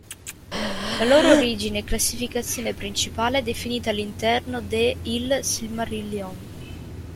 La loro origine e classificazione principale è definita all'interno de "Il Silmarillion".